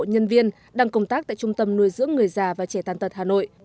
nhân viên đang công tác tại trung tâm nuôi dưỡng người già và trẻ tàn tật hà nội